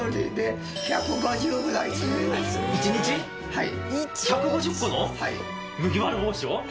はい。